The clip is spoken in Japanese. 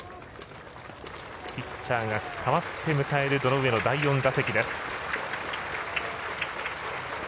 ピッチャーが代わって迎える堂上の第４打席です。